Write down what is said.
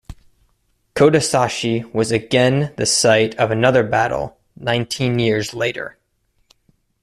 Kotesashi was again the site of another battle nineteen years later.